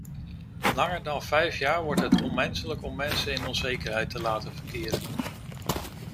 Langer dan vijf jaar wordt het onmenselijk om mensen in onzekerheid te laten verkeren.